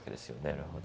なるほど。